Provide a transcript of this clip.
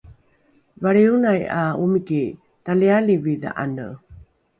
valrionai ’a omiki talialivi dha’ane